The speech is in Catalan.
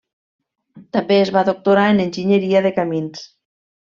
També es va doctorar en Enginyeria de Camins.